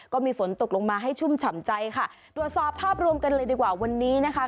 ก็มีฝนตกลงมาให้ชุ่มฉ่ำใจค่ะตรวจสอบภาพรวมกันเลยดีกว่าวันนี้นะคะ